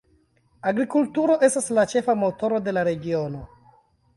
Agrikulturo estas la ĉefa motoro de la regiono.